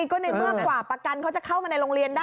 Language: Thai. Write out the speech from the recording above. ก็ในเมื่อกว่าประกันเขาจะเข้ามาในโรงเรียนได้